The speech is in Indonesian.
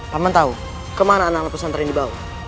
paman tahu kemana anak anak pesantren dibawa